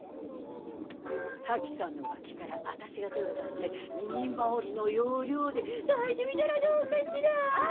沙樹さんの脇から私が手を出して二人羽織の要領で抱いてみたらどうかしら？